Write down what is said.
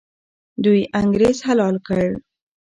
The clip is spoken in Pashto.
دوی انګریز حلال کړ.